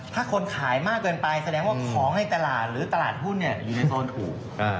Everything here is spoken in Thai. ถ้าคนขายมากเกินไปแสดงว่าของในตลาดหรือตลาดหุ้นอยู่ในโซนถูก